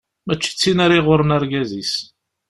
Mačči d tin ara iɣurren argaz-is.